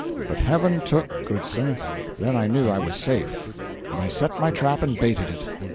But heaven took Goodson; then I knew I was safe, and I set my trap and baited it.